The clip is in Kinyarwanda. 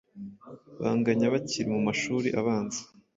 banganya bakiri mu mashuri abanza,